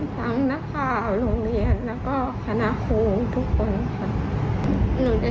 นักข่าวโรงเรียนแล้วก็คณะครูทุกคนค่ะ